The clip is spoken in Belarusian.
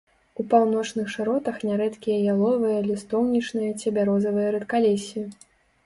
У паўночных шыротах нярэдкія яловыя, лістоўнічныя ці бярозавыя рэдкалессі.